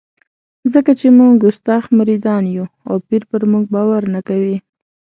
ځکه چې موږ کستاخ مریدان یو او پیر پر موږ باور نه کوي.